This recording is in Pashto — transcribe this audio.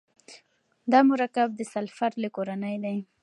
دا مرکب د سلفر له کورنۍ دی.